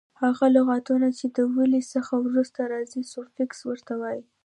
هغه لغتونه چي د ولي څخه وروسته راځي؛ سوفیکس ور ته وایي.